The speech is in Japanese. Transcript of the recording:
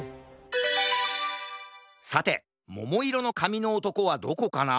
さてももいろのかみのおとこはどこかな？